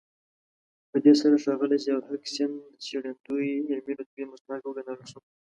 په دې سره ښاغلی ضياءالحق سیند د څېړندوی علمي رتبې مستحق وګڼل شو.